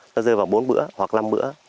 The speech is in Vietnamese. nó dư vào bốn bữa hoặc năm bữa